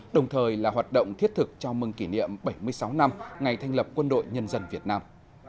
đồng thời là hoạt động thiết thực cho mừng kỷ niệm bảy mươi sáu năm ngày thành lập quân đội nhân dân việt nam